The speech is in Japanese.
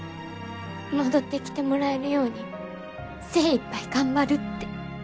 戻ってきてもらえるように精いっぱい頑張るって。